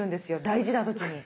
大事な時に。